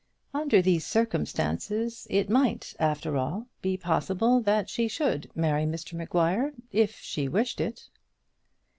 Under these circumstances, it might, after all, be possible that she should marry Mr Maguire, if she wished it.